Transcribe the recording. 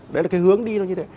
đấy là cái hướng đi nó như thế